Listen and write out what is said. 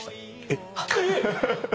えっ！？